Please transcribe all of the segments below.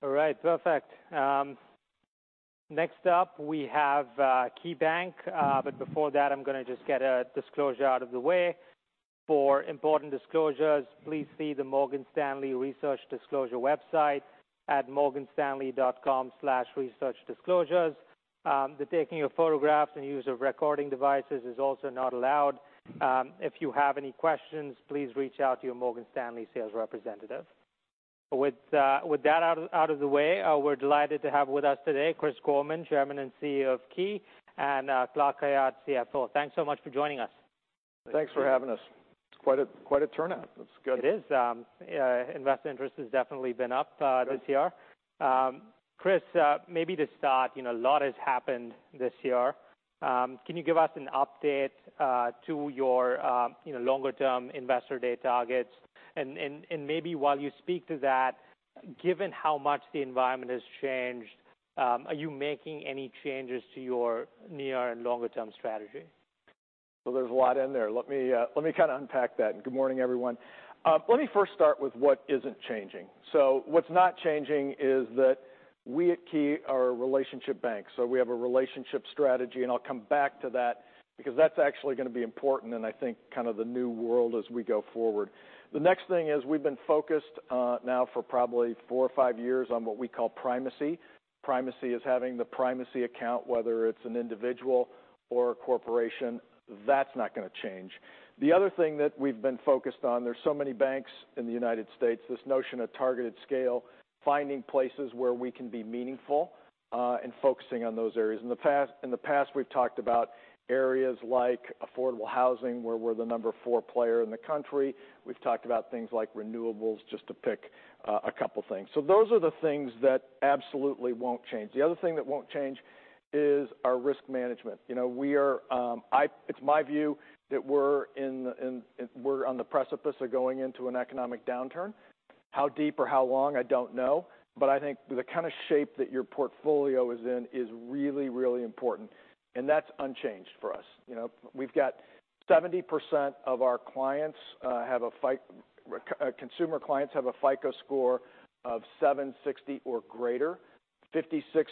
All right, perfect. Next up, we have KeyBank. Before that, I'm going to just get a disclosure out of the way. For important disclosures, please see the Morgan Stanley Research Disclosure website at morganstanley.com/researchdisclosures. The taking of photographs and use of recording devices is also not allowed. If you have any questions, please reach out to your Morgan Stanley sales representative. With that out of the way, we're delighted to have with us today Chris Gorman, Chairman and CEO of Key, and Clark Khayat, CFO. Thanks so much for joining us. Thanks for having us. It's quite a turnout. That's good. It is. Yeah, investor interest has definitely been up this year. Chris, maybe to start, you know, a lot has happened this year. Can you give us an update to your, you know, longer-term investor day targets? Maybe while you speak to that, given how much the environment has changed, are you making any changes to your near and longer-term strategy? There's a lot in there. Let me kind of unpack that. Good morning, everyone. Let me first start with what isn't changing. What's not changing is that we at Key are a relationship bank, so we have a relationship strategy, and I'll come back to that because that's actually going to be important and I think kind of the new world as we go forward. The next thing is we've been focused now for probably four or five years on what we call primacy. Primacy is having the primacy account, whether it's an individual or a corporation. That's not going to change. The other thing that we've been focused on, there's so many banks in the United States, this notion of targeted scale, finding places where we can be meaningful and focusing on those areas. In the past, we've talked about areas like affordable housing, where we're the number four player in the country. We've talked about things like renewables, just to pick a couple things. Those are the things that absolutely won't change. The other thing that won't change is our risk management. You know, it's my view that we're on the precipice of going into an economic downturn. How deep or how long, I don't know. I think the kind of shape that your portfolio is in is really, really important, and that's unchanged for us. You know, we've got 70% of our clients, our consumer clients have a FICO score of 760 or greater. 56%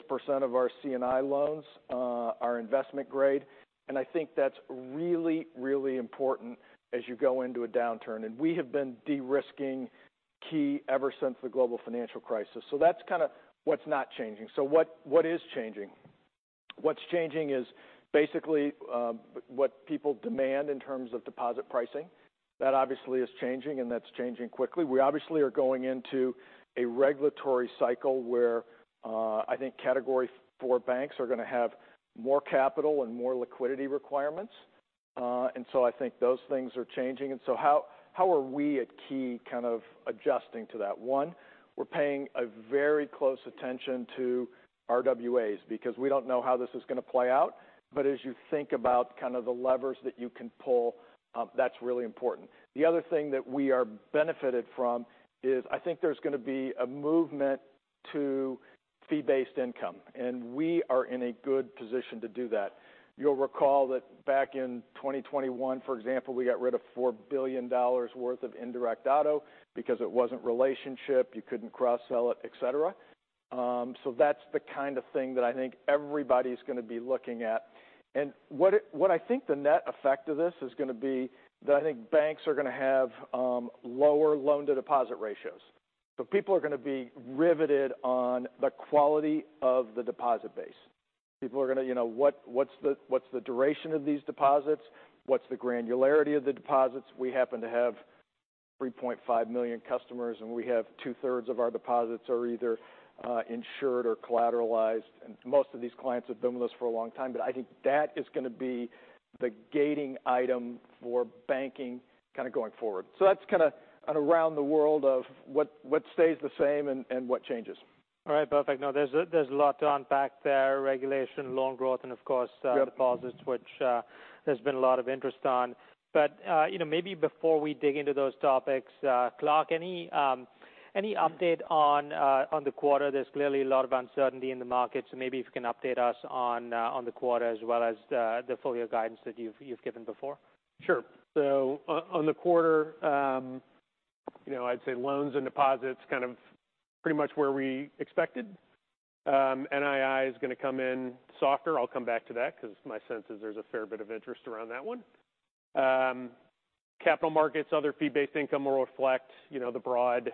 of our C&I loans are investment grade, and I think that's really, really important as you go into a downturn. We have been de-risking Key ever since the global financial crisis. That's kind of what's not changing. What is changing? What's changing is basically what people demand in terms of deposit pricing. That obviously is changing, and that's changing quickly. We obviously are going into a regulatory cycle where I think Category IV banks are going to have more capital and more liquidity requirements. I think those things are changing. How are we at Key kind of adjusting to that? One, we're paying a very close attention to RWAs because we don't know how this is going to play out. As you think about kind of the levers that you can pull, that's really important. The other thing that we are benefited from is I think there's going to be a movement to fee-based income, and we are in a good position to do that. You'll recall that back in 2021, for example, we got rid of $4 billion worth of indirect auto because it wasn't relationship, you couldn't cross-sell it, et cetera. That's the kind of thing that I think everybody's going to be looking at. What I think the net effect of this is going to be that I think banks are going to have lower loan-to-deposit ratios. People are going to be riveted on the quality of the deposit base. People are going to, you know, what's the, what's the duration of these deposits? What's the granularity of the deposits? We happen to have 3.5 million customers, and we have 2/3 of our deposits are either insured or collateralized, and most of these clients have been with us for a long time. I think that is going to be the gating item for banking kind of going forward. That's kind of an around the world of what stays the same and what changes. All right. Perfect. No, there's a lot to unpack there, regulation, loan growth, and of course. Yep deposits, which, there's been a lot of interest on. You know, maybe before we dig into those topics, Clark, any update on the quarter? There's clearly a lot of uncertainty in the market, maybe if you can update us on the quarter as well as the full-year guidance that you've given before. Sure. On the quarter, you know, I'd say loans and deposits kind of pretty much where we expected. NII is going to come in softer. I'll come back to that because my sense is there's a fair bit of interest around that one. Capital markets, other fee-based income will reflect, you know, the broad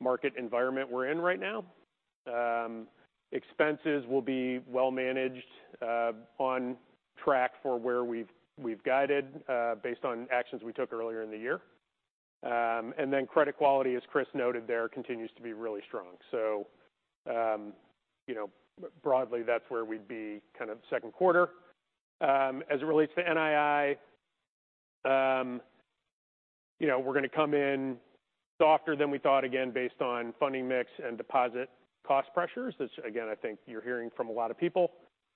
market environment we're in right now. Expenses will be well managed, on track for where we've guided, based on actions we took earlier in the year. And then credit quality, as Chris noted there, continues to be really strong. You know, broadly, that's where we'd be kind of second quarter. As it relates to NII, you know, we're going to come in softer than we thought, again, based on funding mix and deposit cost pressures. Which again, I think you're hearing from a lot of people.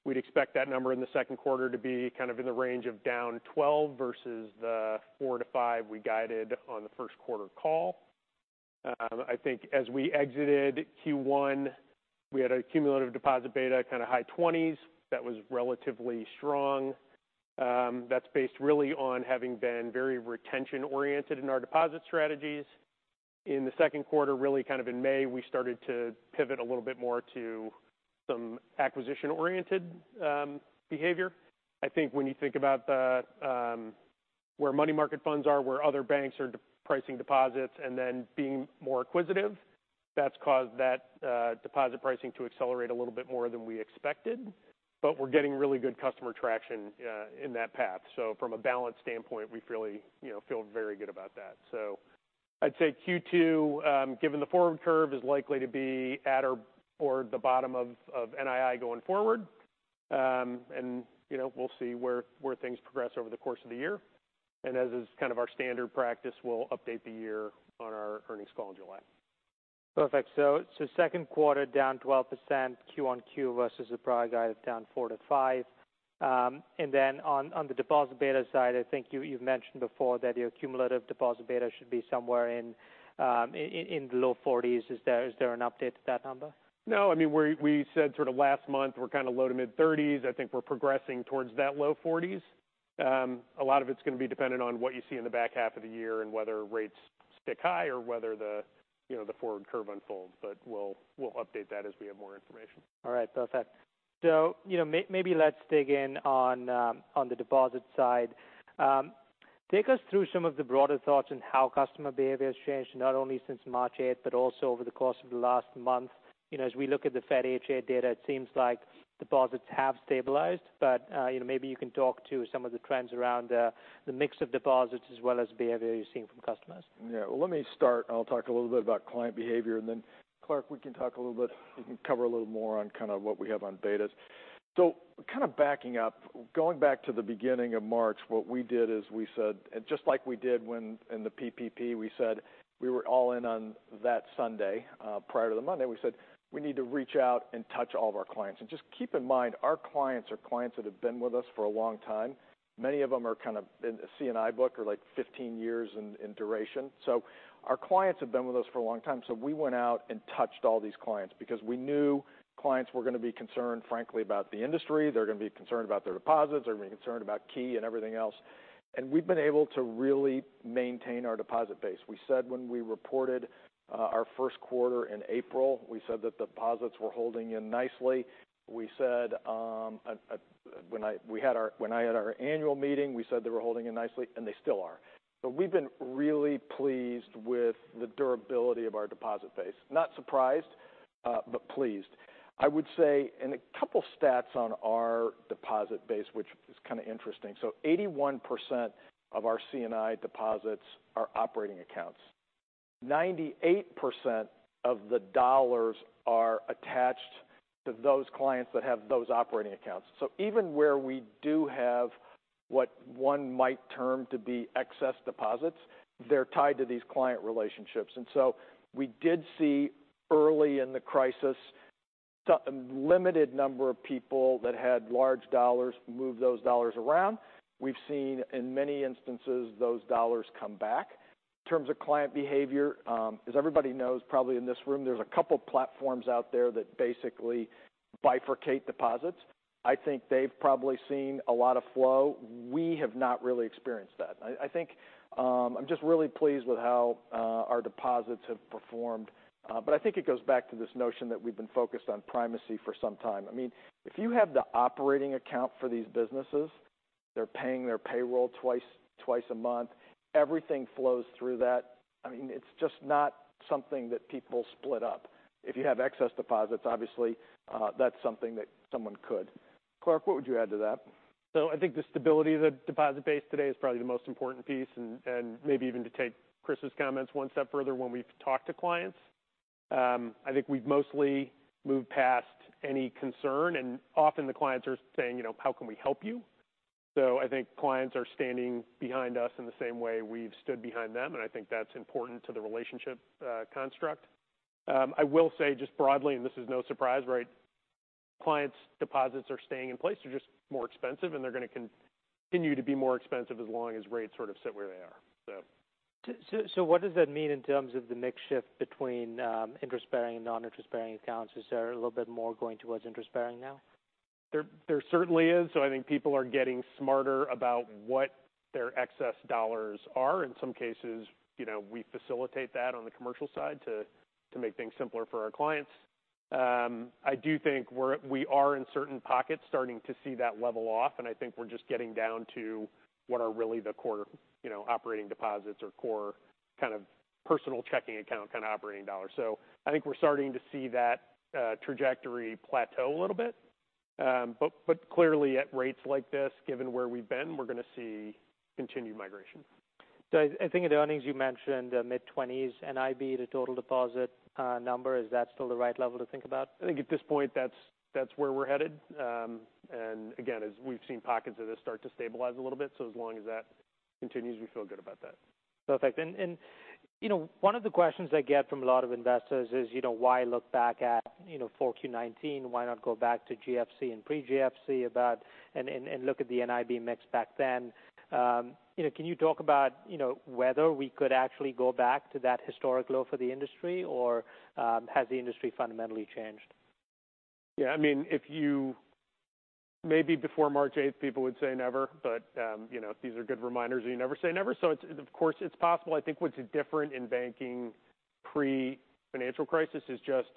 We'd expect that number in the second quarter to be kind of in the range of down 12% versus the 4%-5% we guided on the first quarter call. I think as we exited Q1 we had a cumulative deposit beta kind of high 20s. That was relatively strong. That's based really on having been very retention-oriented in our deposit strategies. In the second quarter, really kind of in May, we started to pivot a little bit more to some acquisition-oriented behavior. I think when you think about the where money market funds are, where other banks are de-pricing deposits, and then being more acquisitive, that's caused that deposit pricing to accelerate a little bit more than we expected. We're getting really good customer traction in that path. From a balance standpoint, we really, you know, feel very good about that. I'd say Q2, given the forward curve, is likely to be at or the bottom of NII going forward. You know, we'll see where things progress over the course of the year. As is kind of our standard practice, we'll update the year on our earnings call in July. Perfect. Second quarter down 12%, QoQ versus the prior guide down 4%-5%. Then on the deposit beta side, I think you've mentioned before that your cumulative deposit beta should be somewhere in the low 40s. Is there an update to that number? I mean, we said sort of last month, we're kind of low to mid thirties. I think we're progressing towards that low forties. A lot of it's gonna be dependent on what you see in the back half of the year and whether rates stick high or whether the, you know, the forward curve unfolds. We'll update that as we have more information. All right. Perfect. You know, maybe let's dig in on the deposit side. Take us through some of the broader thoughts on how customer behavior has changed, not only since March 8th, but also over the course of the last month. You know, as we look at the Fed H.8 data, it seems like deposits have stabilized, but, you know, maybe you can talk to some of the trends around the mix of deposits as well as behavior you're seeing from customers. Yeah. Well, let me start. I'll talk a little bit about client behavior, and then, Clark, we can talk a little bit, we can cover a little more on kind of what we have on betas. Kind of backing up, going back to the beginning of March, what we did is we said. Just like we did when in the PPP, we said we were all in on that Sunday. Prior to the Monday, we said, "We need to reach out and touch all of our clients." Just keep in mind, our clients are clients that have been with us for a long time. Many of them are kind of in a C&I book or like 15 years in duration. Our clients have been with us for a long time, so we went out and touched all these clients because we knew clients were gonna be concerned, frankly, about the industry. They're gonna be concerned about their deposits. They're gonna be concerned about Key and everything else. We've been able to really maintain our deposit base. We said when we reported, our first quarter in April, we said that deposits were holding in nicely. We said, when I had our annual meeting, we said they were holding in nicely, and they still are. We've been really pleased with the durability of our deposit base. Not surprised, but pleased. I would say, a couple stats on our deposit base, which is kind of interesting. 81% of our C&I deposits are operating accounts. 98% of the dollars are attached to those clients that have those operating accounts. Even where we do have what one might term to be excess deposits, they're tied to these client relationships. We did see early in the crisis, so a limited number of people that had large dollars, move those dollars around. We've seen in many instances, those dollars come back. In terms of client behavior, as everybody knows, probably in this room, there's a couple platforms out there that basically bifurcate deposits. I think they've probably seen a lot of flow. We have not really experienced that. I think I'm just really pleased with how our deposits have performed. I think it goes back to this notion that we've been focused on primacy for some time. I mean, if you have the operating account for these businesses, they're paying their payroll twice a month, everything flows through that. I mean, it's just not something that people split up. If you have excess deposits, obviously, that's something that someone could. Clark, what would you add to that? I think the stability of the deposit base today is probably the most important piece, and maybe even to take Chris's comments one step further, when we've talked to clients, I think we've mostly moved past any concern, and often the clients are saying, you know, "How can we help you?" I think clients are standing behind us in the same way we've stood behind them, and I think that's important to the relationship construct. I will say just broadly, and this is no surprise, right? Clients' deposits are staying in place. They're just more expensive, and they're gonna continue to be more expensive as long as rates sort of sit where they are, so. So what does that mean in terms of the mix shift between interest-bearing and non-interest-bearing accounts? Is there a little bit more going towards interest-bearing now? There certainly is. I think people are getting smarter about what their excess dollars are. In some cases, you know, we facilitate that on the commercial side to make things simpler for our clients. I do think we are in certain pockets, starting to see that level off, and I think we're just getting down to what are really the core, you know, operating deposits or core kind of personal checking account, kind of operating dollars. I think we're starting to see that trajectory plateau a little bit. But clearly, at rates like this, given where we've been, we're gonna see continued migration. I think in the earnings, you mentioned mid-twenties, NIB, the total deposit number. Is that still the right level to think about? I think at this point, that's where we're headed. Again, as we've seen pockets of this start to stabilize a little bit, as long as that continues, we feel good about that. Perfect. You know, one of the questions I get from a lot of investors is, you know, why look back at, you know, 4Q 2019? Why not go back to GFC and pre-GFC about, and look at the NIB mix back then? You know, can you talk about, you know, whether we could actually go back to that historic low for the industry, or has the industry fundamentally changed? Yeah, I mean, if you maybe before March 8th, people would say never, but, you know, these are good reminders, and you never say never. It's, of course, it's possible. I think what's different in banking pre-financial crisis is just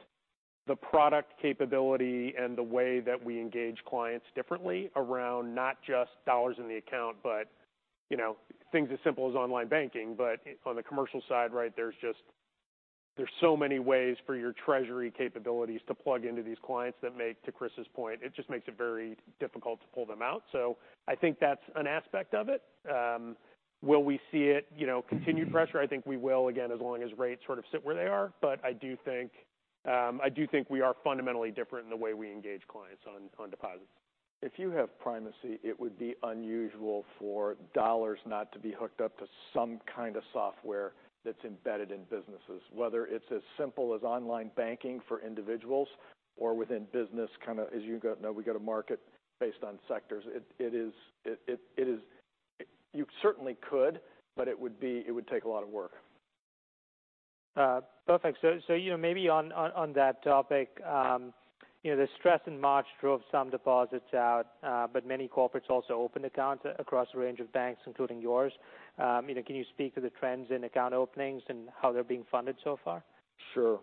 the product capability and the way that we engage clients differently around not just dollars in the account, but, you know, things as simple as online banking. On the commercial side, right, there's just, there's so many ways for your treasury capabilities to plug into these clients that make, to Chris's point, it just makes it very difficult to pull them out. I think that's an aspect of it. Will we see it, you know, continued pressure? I think we will, again, as long as rates sort of sit where they are. I do think we are fundamentally different in the way we engage clients on deposits. If you have primacy, it would be unusual for dollars not to be hooked up to some kind of software that's embedded in businesses. Whether it's as simple as online banking for individuals or within business, kind of as you know, we go to market based on sectors. It is, you certainly could, but it would take a lot of work. Perfect. You know, maybe on that topic, you know, the stress in March drove some deposits out, but many corporates also opened accounts across a range of banks, including yours. You know, can you speak to the trends in account openings and how they're being funded so far? Sure.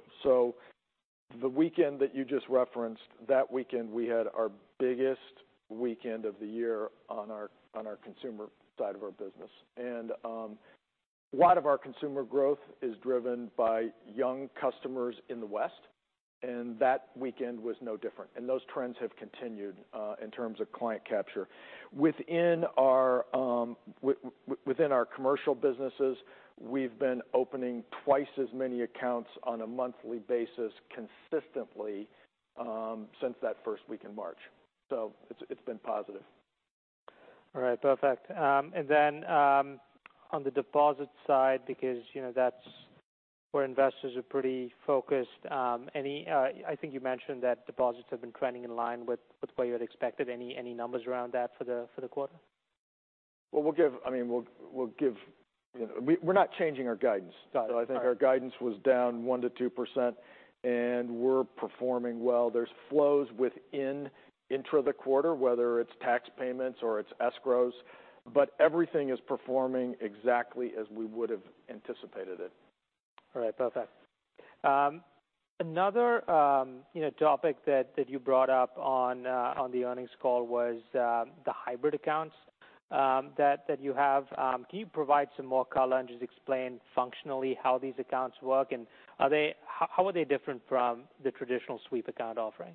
The weekend that you just referenced, that weekend, we had our biggest weekend of the year on our consumer side of our business. A lot of our consumer growth is driven by young customers in the West, and that weekend was no different, and those trends have continued in terms of client capture. Within our commercial businesses, we've been opening twice as many accounts on a monthly basis consistently since that first week in March. It's been positive. All right. Perfect. On the deposit side, because, you know, that's where investors are pretty focused, I think you mentioned that deposits have been trending in line with what you had expected. Any numbers around that for the quarter? Well, we'll give I mean, we'll give. We're not changing our guidance. Got it. I think our guidance was down 1%-2%, and we're performing well. There's flows within intra the quarter, whether it's tax payments or it's escrows, but everything is performing exactly as we would have anticipated it. All right. Perfect. Another, you know, topic that you brought up on the earnings call was the hybrid accounts that you have. Can you provide some more color and just explain functionally how these accounts work? How are they different from the traditional sweep account offering?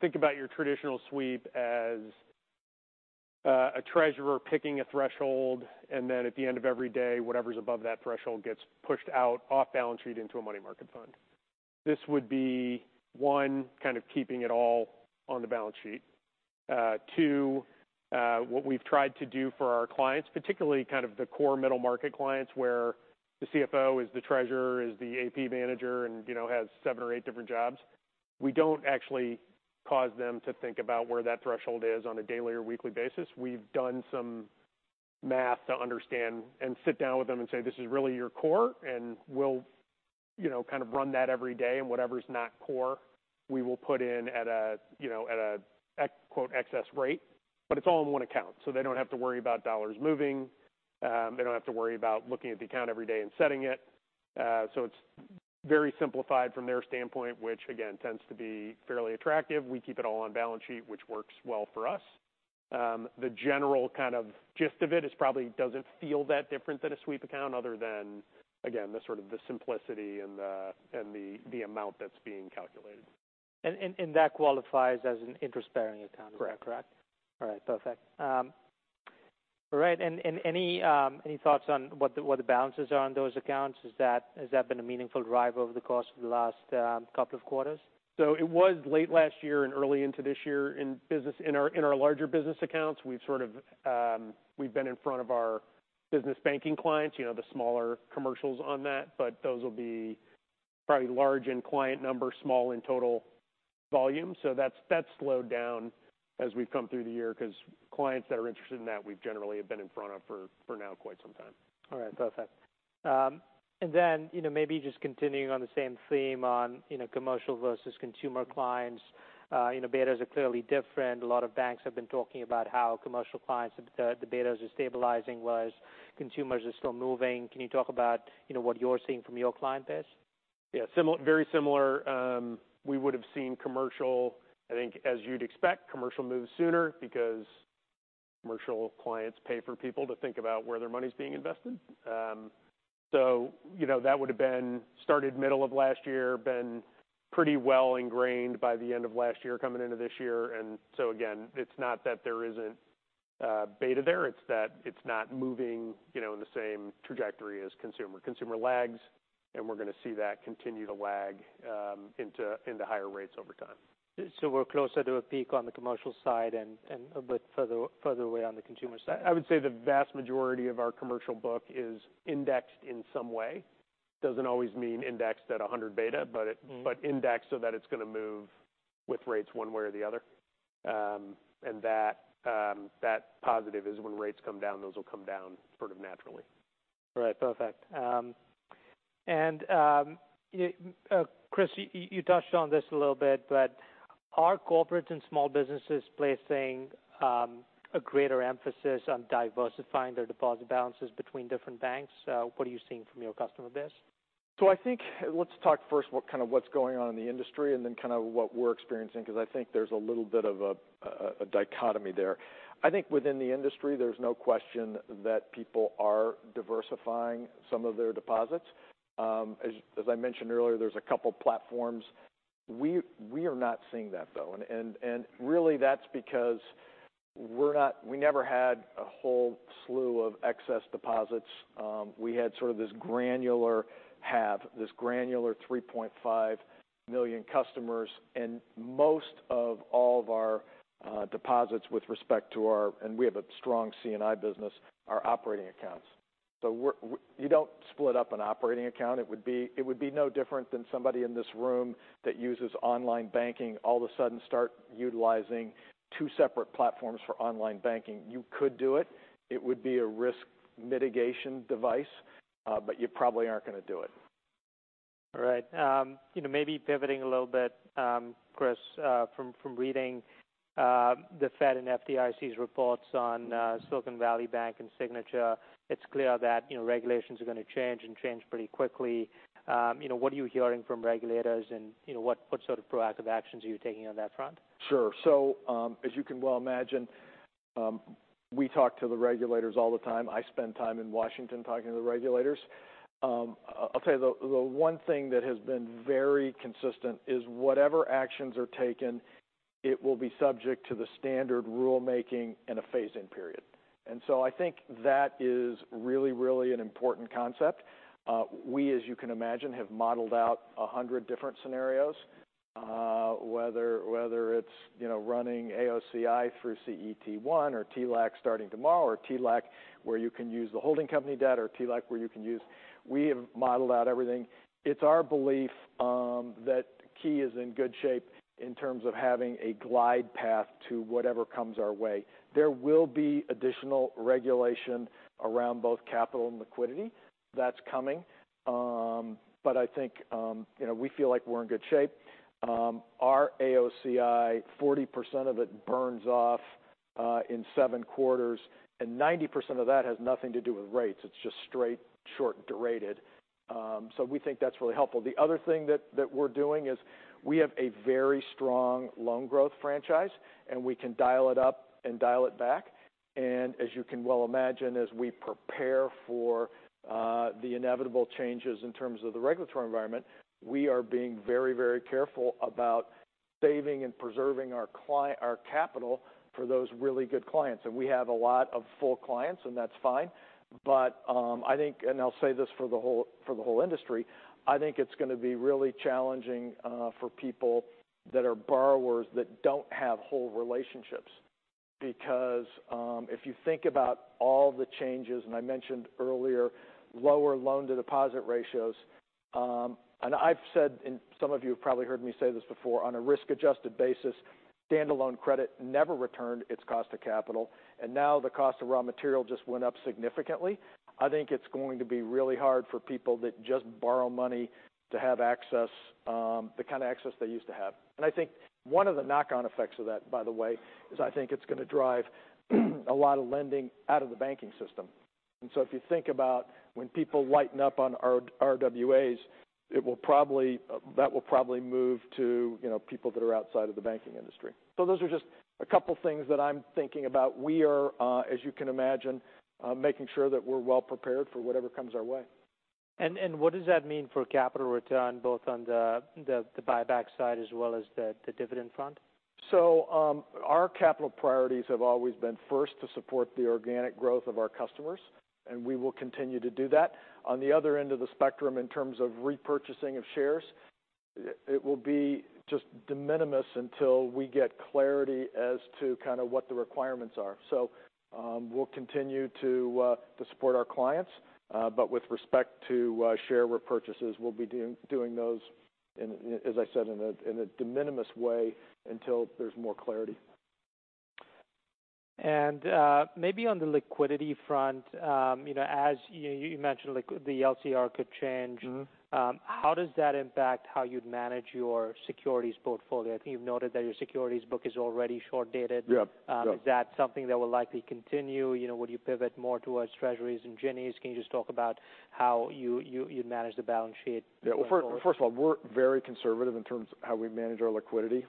Think about your traditional sweep as a treasurer picking a threshold, and then at the end of every day, whatever's above that threshold gets pushed out off balance sheet into a money market fund. This would be, one, kind of keeping it all on the balance sheet. Two, what we've tried to do for our clients, particularly kind of the core middle market clients, where the CFO is the treasurer, is the AP manager, and, you know, has seven or eight different jobs. We don't actually cause them to think about where that threshold is on a daily or weekly basis. We've done some math to understand and sit down with them and say, "This is really your core, and we'll, you know, kind of run that every day, and whatever's not core, we will put in at a, you know, at a quote, 'excess rate.' It's all in one account, so they don't have to worry about dollars moving. They don't have to worry about looking at the account every day and setting it. It's very simplified from their standpoint, which again, tends to be fairly attractive. We keep it all on balance sheet, which works well for us. The general kind of gist of it is probably doesn't feel that different than a sweep account other than, again, the sort of the simplicity and the, and the amount that's being calculated. That qualifies as an interest-bearing account? Correct. Correct. All right. Perfect. All right, any thoughts on what the balances are on those accounts? Has that been a meaningful drive over the course of the last, couple of quarters? It was late last year and early into this year in business in our larger business accounts. We've sort of, we've been in front of our business banking clients, you know, the smaller commercials on that, but those will be probably large in client numbers, small in total volume. That's slowed down as we've come through the year because clients that are interested in that, we've generally been in front of for now, quite some time. All right. Perfect. Then, you know, maybe just continuing on the same theme on, you know, commercial versus consumer clients. You know, betas are clearly different. A lot of banks have been talking about how commercial clients, the betas are stabilizing, whereas consumers are still moving. Can you talk about, you know, what you're seeing from your client base? Yeah. Very similar. We would've seen commercial, I think, as you'd expect, commercial move sooner because commercial clients pay for people to think about where their money's being invested. So you know, that would've been started middle of last year, been pretty well ingrained by the end of last year, coming into this year. Again, it's not that there isn't beta there, it's that it's not moving, you know, in the same trajectory as consumer. Consumer lags, and we're going to see that continue to lag into higher rates over time. We're closer to a peak on the commercial side and a bit further away on the consumer side? I would say the vast majority of our commercial book is indexed in some way. Doesn't always mean indexed at a 100 beta. Mm-hmm. But, indexed so that it's going to move with rates one way or the other. That positive is when rates come down, those will come down sort of naturally. All right. Perfect. Chris, you touched on this a little bit, but are corporates and small businesses placing a greater emphasis on diversifying their deposit balances between different banks? What are you seeing from your customer base? I think let's talk first what kind of what's going on in the industry and then kind of what we're experiencing, because I think there's a little bit of a dichotomy there. Within the industry, there's no question that people are diversifying some of their deposits. As I mentioned earlier, there's a couple platforms. We are not seeing that, though, and really that's because we never had a whole slew of excess deposits. We had sort of this granular half, this granular 3.5 million customers, and most of all of our deposits with respect to our, and we have a strong C&I business, are operating accounts. You don't split up an operating account. It would be no different than somebody in this room that uses online banking all of a sudden start utilizing two separate platforms for online banking. You could do it. It would be a risk mitigation device. You probably aren't going to do it. All right. You know, maybe pivoting a little bit, Chris, from reading the Fed and FDIC's reports on Silicon Valley Bank and Signature, it's clear that, you know, regulations are going to change and change pretty quickly. You know, what are you hearing from regulators, and, you know, what sort of proactive actions are you taking on that front? As you can well imagine, we talk to the regulators all the time. I spend time in Washington talking to the regulators. I'll tell you, the one thing that has been very consistent is whatever actions are taken, it will be subject to the standard rulemaking and a phase-in period. I think that is really an important concept. We, as you can imagine, have modeled out 100 different scenarios. Whether it's, you know, running AOCI through CET1 or TLAC starting tomorrow, or TLAC where you can use the holding company debt or TLAC where you can use... We have modeled out everything. It's our belief that Key is in good shape in terms of having a glide path to whatever comes our way. There will be additional regulation around both capital and liquidity. That's coming. I think, you know, we feel like we're in good shape. Our AOCI, 40% of it burns off in seven quarters, and 90% of that has nothing to do with rates. It's just straight, short-durated. We think that's really helpful. The other thing that we're doing is we have a very strong loan growth franchise, and we can dial it up and dial it back. As you can well imagine, as we prepare for the inevitable changes in terms of the regulatory environment, we are being very, very careful about saving and preserving our capital for those really good clients. We have a lot of full clients, and that's fine. I think, and I'll say this for the whole, for the whole industry, I think it's going to be really challenging for people that are borrowers that don't have whole relationships. If you think about all the changes, and I mentioned earlier, lower loan-to-deposit ratios. I've said, and some of you have probably heard me say this before, on a risk-adjusted basis, standalone credit never returned its cost to capital, and now the cost of raw material just went up significantly. I think it's going to be really hard for people that just borrow money to have access, the kind of access they used to have. I think one of the knock-on effects of that, by the way, is I think it's going to drive a lot of lending out of the banking system. If you think about when people lighten up on RWAs, it will probably, that will probably move to, you know, people that are outside of the banking industry. Those are just a couple things that I'm thinking about. We are, as you can imagine, making sure that we're well prepared for whatever comes our way. What does that mean for capital return, both on the buyback side as well as the dividend front? So our capital priorities have always been first to support the organic growth of our customers, and we will continue to do that. On the other end of the spectrum, in terms of repurchasing of shares, it will be just de-minimis until we get clarity as to kind of what the requirements are. We'll continue to support our clients, but with respect to share repurchases, we'll be doing those in, as I said, in a de-minimis way until there's more clarity. And maybe on the liquidity front, you know, as you mentioned, like the LCR could change. Mm-hmm. How does that impact how you'd manage your securities portfolio? I think you've noted that your securities book is already short-dated. Yep. Yep. Is that something that will likely continue? You know, would you pivot more towards Treasuries and Ginnies? Can you just talk about how you'd manage the balance sheet? First of all, we're very conservative in terms of how we manage our liquidity.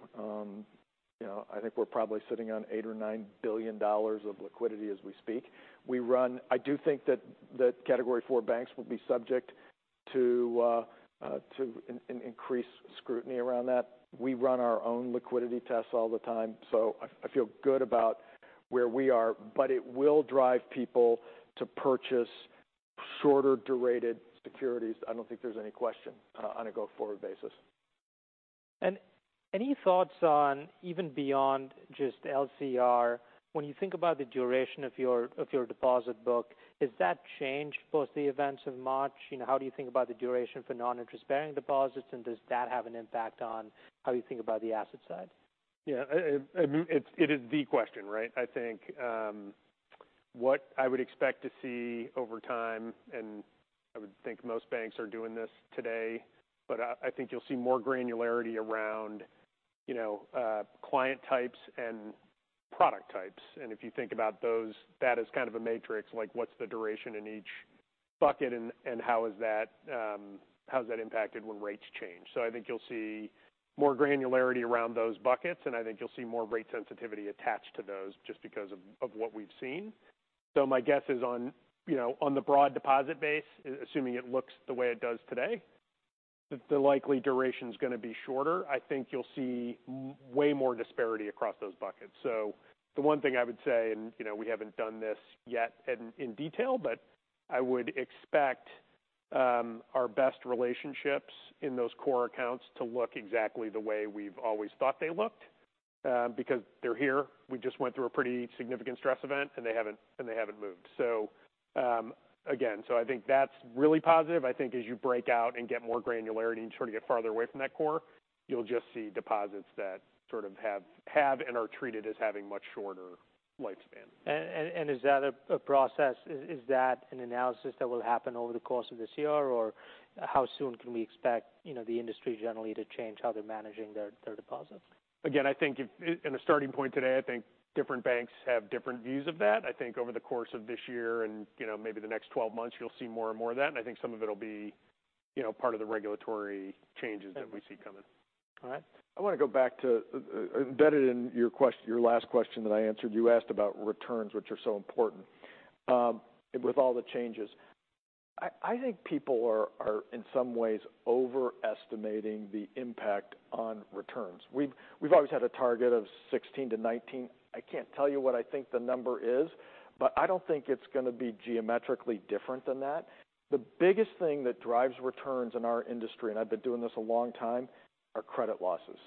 You know, I think we're probably sitting on $8 billion or $9 billion of liquidity as we speak. I do think that Category IV banks will be subject to increase scrutiny around that. We run our own liquidity tests all the time, so I feel good about where we are. It will drive people to purchase shorter-durated securities, I don't think there's any question on a go-forward basis. Any thoughts on even beyond just LCR, when you think about the duration of your deposit book, does that change post the events of March? You know, how do you think about the duration for non-interest-bearing deposits, and does that have an impact on how you think about the asset side? Yeah, it is the question, right? I think.... what I would expect to see over time, and I would think most banks are doing this today, but I think you'll see more granularity around, you know, client types and product types. If you think about those, that is kind of a matrix, like, what's the duration in each bucket, and how's that impacted when rates change? I think you'll see more granularity around those buckets, and I think you'll see more rate sensitivity attached to those just because of what we've seen. My guess is on, you know, on the broad deposit base, assuming it looks the way it does today, that the likely duration's gonna be shorter. I think you'll see way more disparity across those buckets. The one thing I would say, and, you know, we haven't done this yet in detail, but I would expect our best relationships in those core accounts to look exactly the way we've always thought they looked, because they're here. We just went through a pretty significant stress event, and they haven't moved. Again, I think that's really positive. I think as you break out and get more granularity and sort of get farther away from that core, you'll just see deposits that sort of have and are treated as having much shorter lifespan. Is that a process? Is that an analysis that will happen over the course of this year, or how soon can we expect, you know, the industry generally to change how they're managing their deposits? Again I think, in a starting point today, I think different banks have different views of that. I think over the course of this year, you know, maybe the next 12 months, you'll see more and more of that. I think some of it'll be, you know, part of the regulatory changes. Okay. that we see coming. All right. I wanna go back to, embedded in your last question that I answered, you asked about returns, which are so important, and with all the changes. I think people are in some ways overestimating the impact on returns. We've always had a target of 16%-19%. I can't tell you what I think the number is, but I don't think it's gonna be geometrically different than that. The biggest thing that drives returns in our industry, and I've been doing this a long time, are credit losses.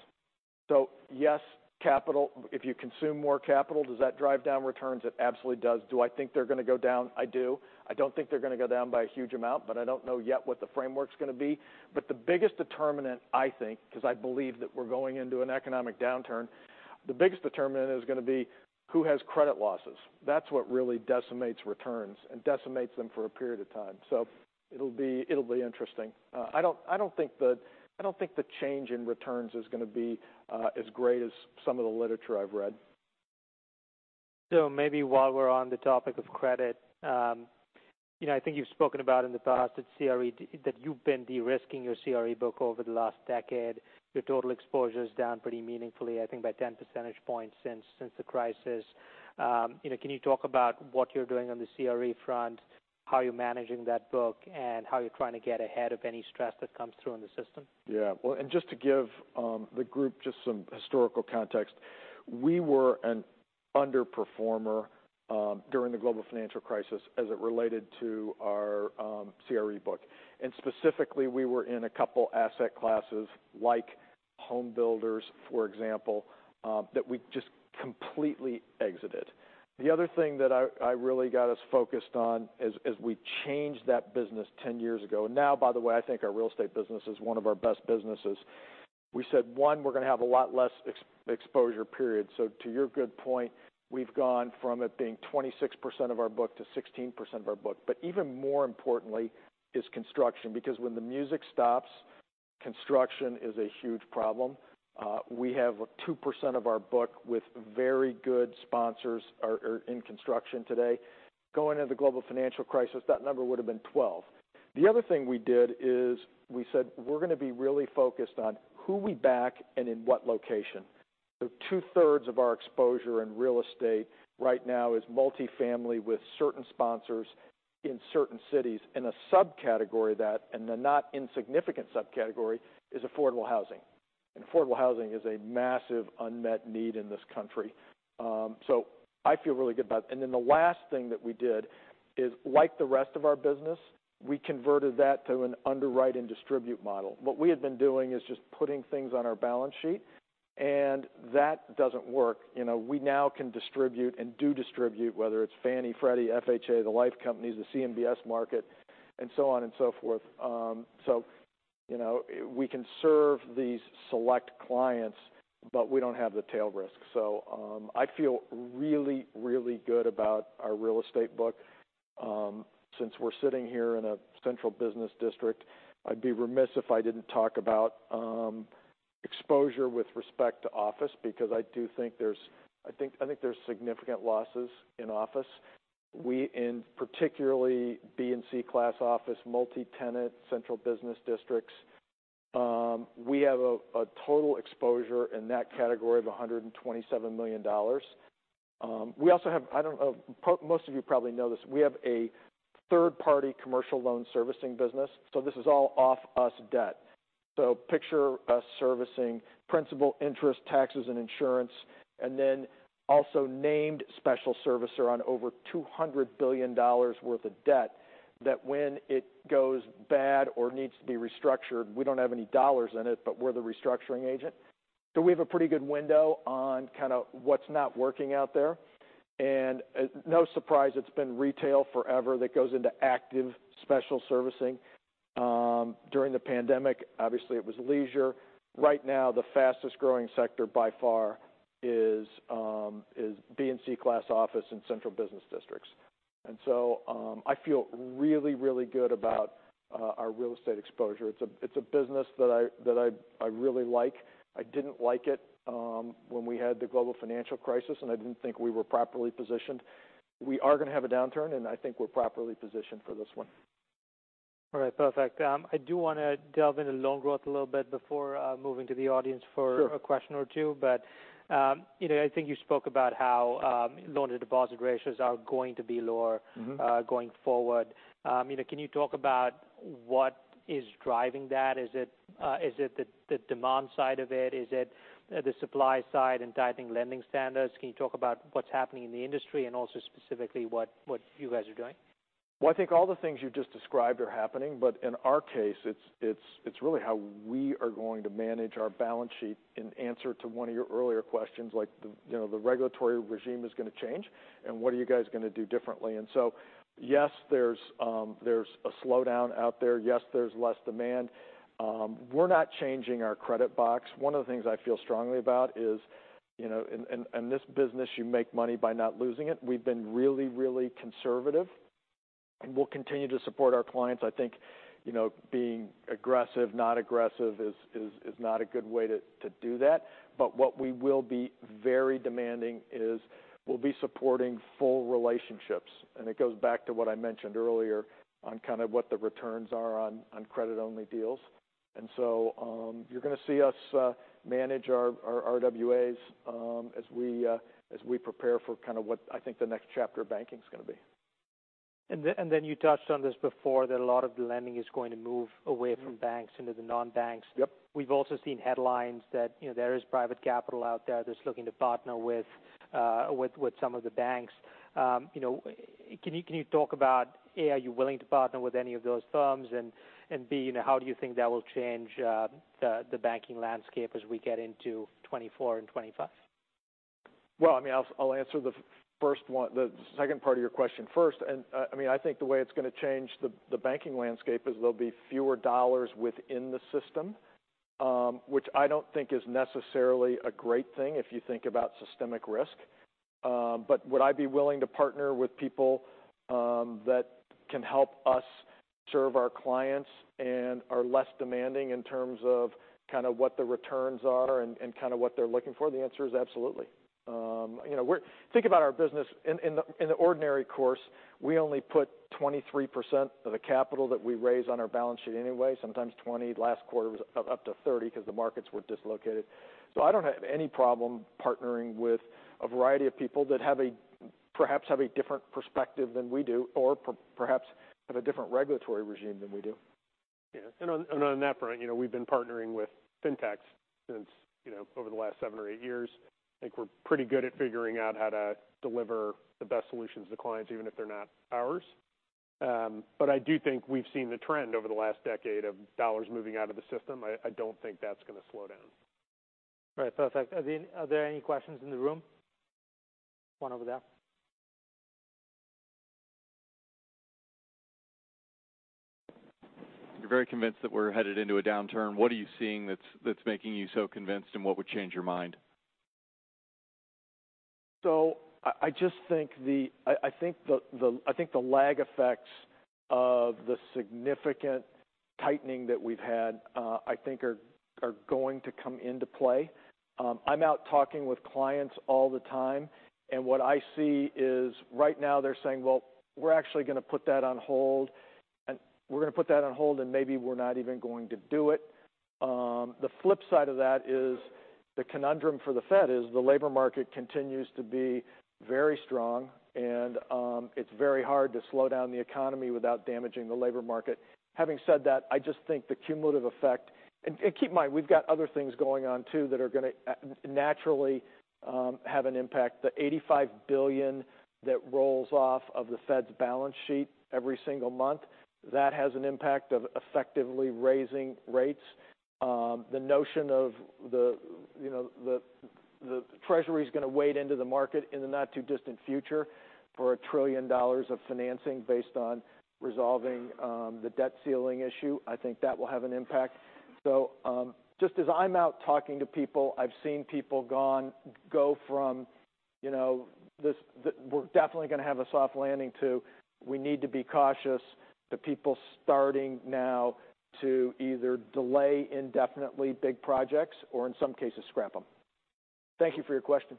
Yes, capital, if you consume more capital, does that drive down returns? It absolutely does. Do I think they're gonna go down? I do. I don't think they're gonna go down by a huge amount, but I don't know yet what the framework's gonna be. The biggest determinant, I think, 'cause I believe that we're going into an economic downturn, the biggest determinant is gonna be who has credit losses. That's what really decimates returns and decimates them for a period of time. It'll be interesting. I don't think the change in returns is gonna be as great as some of the literature I've read. Maybe while we're on the topic of credit, you know, I think you've spoken about in the past, that CRE that you've been de-risking your CRE book over the last decade. Your total exposure is down pretty meaningfully, I think by 10 percentage points since the crisis. You know, can you talk about what you're doing on the CRE front, how you're managing that book, and how you're trying to get ahead of any stress that comes through in the system? Yeah. Well, just to give the group just some historical context, we were an underperformer during the Global Financial Crisis as it related to our CRE book. Specifically, we were in a couple asset classes, like home builders, for example, that we just completely exited. The other thing that I really got us focused on as we changed that business 10 years ago, now, by the way, I think our real estate business is one of our best businesses. We said, one, we're gonna have a lot less exposure, period. To your good point, we've gone from it being 26% of our book to 16% of our book. Even more importantly is construction, because when the music stops, construction is a huge problem. We have 2% of our book with very good sponsors are in construction today. Going into the global financial crisis, that number would've been 12. The other thing we did is we said: We're gonna be really focused on who we back and in what location. Two-thirds of our exposure in real estate right now is multifamily, with certain sponsors in certain cities. In a subcategory of that, and a not insignificant subcategory, is affordable housing, affordable housing is a massive unmet need in this country. I feel really good about it. The last thing that we did is, like the rest of our business, we converted that to an underwrite and distribute model. What we had been doing is just putting things on our balance sheet, that doesn't work. You know, we now can distribute and do distribute, whether it's Fannie, Freddie, FHA, the life companies, the CMBS market, and so on and so forth. You know, we can serve these select clients, but we don't have the tail risk. I feel really, really good about our real estate book. Since we're sitting here in a central business district, I'd be remiss if I didn't talk about exposure with respect to office, because I do think there's significant losses in office. We, in particularly B and C class office, multi-tenant, central business districts, we have a total exposure in that category of $127 million. We also have I don't know, most of you probably know this, we have a third-party commercial loan servicing business, so this is all off-us debt. Picture us servicing principal interest, taxes, and insurance, and then also named special servicer on over $200 billion worth of debt that when it goes bad or needs to be restructured, we don't have any dollars in it, but we're the restructuring agent. We have a pretty good window on kind of what's not working out there. no surprise, it's been retail forever that goes into active special servicing. During the pandemic, obviously it was leisure. Right now, the fastest-growing sector by far is B and C class office in central business districts. I feel really, really good about our real estate exposure. It's a business that I really like. I didn't like it when we had the Global Financial Crisis. I didn't think we were properly positioned. We are gonna have a downturn. I think we're properly positioned for this one. All right, perfect. I do wanna delve into loan growth a little bit before moving to the audience. Sure... a question or two. you know, I think you spoke about how, loan-to-deposit ratios are going to be lower. Mm-hmm... going forward. You know, can you talk about what is driving that? Is it the demand side of it? Is it the supply side and tightening lending standards? Can you talk about what's happening in the industry and also specifically what you guys are doing? I think all the things you just described are happening, in our case, it's really how we are going to manage our balance sheet. In answer to one of your earlier questions, you know, the regulatory regime is going to change, what are you guys going to do differently? Yes, there's a slowdown out there. Yes, there's less demand. We're not changing our credit box. One of the things I feel strongly about is, you know, in this business, you make money by not losing it. We've been really, really conservative, we'll continue to support our clients. I think, you know, being aggressive, not aggressive is not a good way to do that. What we will be very demanding is we'll be supporting full relationships, and it goes back to what I mentioned earlier on kind of what the returns are on credit-only deals. You're gonna see us manage our RWAs as we prepare for kind of what I think the next chapter of banking's gonna be. You touched on this before, that a lot of the lending is going to move away from. Mm-hmm banks into the non-banks. Yep. We've also seen headlines that, you know, there is private capital out there that's looking to partner with some of the banks. You know, can you talk about, A, are you willing to partner with any of those firms? B, you know, how do you think that will change the banking landscape as we get into 2024 and 2025? Well, I mean, I'll answer the first one, the second part of your question first. I mean, I think the way it's gonna change the banking landscape is there'll be fewer dollars within the system, which I don't think is necessarily a great thing if you think about systemic risk. Would I be willing to partner with people that can help us serve our clients and are less demanding in terms of kind of what the returns are and kind of what they're looking for? The answer is absolutely. You know, think about our business in the ordinary course, we only put 23% of the capital that we raise on our balance sheet anyway, sometimes 20%. Last quarter was up to 30% because the markets were dislocated. I don't have any problem partnering with a variety of people that perhaps have a different perspective than we do, or perhaps have a different regulatory regime than we do. Yeah, on that front, you know, we've been partnering with Fintechs since, you know, over the last seven or eight years. I think we're pretty good at figuring out how to deliver the best solutions to clients, even if they're not ours. I do think we've seen the trend over the last decade of dollars moving out of the system. I don't think that's gonna slow down. All right, perfect. Are there any questions in the room? One over there. You're very convinced that we're headed into a downturn. What are you seeing that's making you so convinced, and what would change your mind? I just think the lag effects of the significant tightening that we've had, I think are going to come into play. I'm out talking with clients all the time, and what I see is, right now, they're saying: "Well, we're actually gonna put that on hold, and we're gonna put that on hold, and maybe we're not even going to do it." The flip side of that is, the conundrum for the Fed is the labor market continues to be very strong, and it's very hard to slow down the economy without damaging the labor market. Having said that, I just think the cumulative effect... Keep in mind, we've got other things going on, too, that are gonna naturally have an impact. The $85 billion that rolls off of the Fed's balance sheet every single month, that has an impact of effectively raising rates. The notion of the, you know, the Treasury's gonna wade into the market in the not-too-distant future for $1 trillion of financing based on resolving the debt ceiling issue, I think that will have an impact. Just as I'm out talking to people, I've seen people go from, you know, this, "The, we're definitely gonna have a soft landing," to, "We need to be cautious," to people starting now to either delay, indefinitely, big projects or, in some cases, scrap them. Thank you for your question.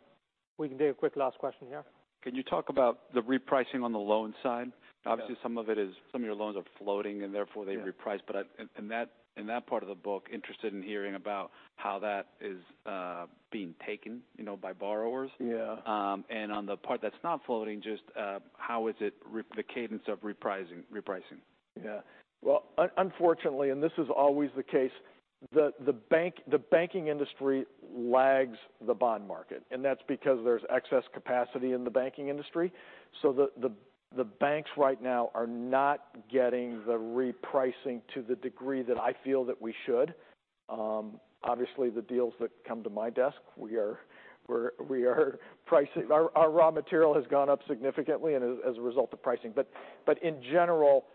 We can do a quick last question here. Can you talk about the repricing on the loan side? Yeah. Obviously, some of it is, some of your loans are floating, and therefore- Yeah... they reprice. I, in that part of the book, interested in hearing about how that is being taken, you know, by borrowers. Yeah. On the part that's not floating, just, how is it replicate the cadence of repricing? Yeah. Well, unfortunately, this is always the case, the banking industry lags the bond market. That's because there's excess capacity in the banking industry. The banks right now are not getting the repricing to the degree that I feel that we should. Obviously, the deals that come to my desk, we are pricing. Our raw material has gone up significantly and as a result of pricing. In general,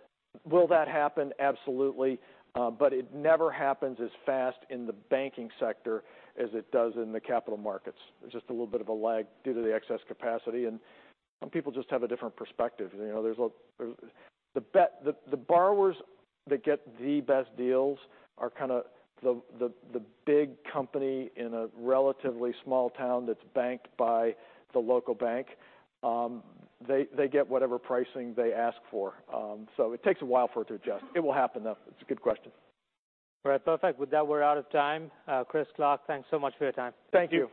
will that happen? Absolutely. It never happens as fast in the banking sector as it does in the capital markets. There's just a little bit of a lag due to the excess capacity. Some people just have a different perspective. You know, there's a... The borrowers that get the best deals are kind of the big company in a relatively small town that's banked by the local bank. They get whatever pricing they ask for. It takes a while for it to adjust. It will happen, though. It's a good question. All right, perfect. With that, we're out of time. Chris, Clark, thanks so much for your time. Thank you.